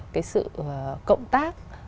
cái sự cộng tác